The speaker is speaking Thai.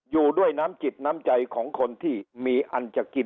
อยู่ด้วยน้ำจิตน้ำใจของคนที่มีอันจะกิน